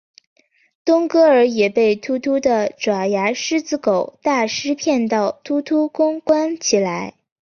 冬哥儿也被秃秃的爪牙狮子狗大狮骗到秃秃宫关起来。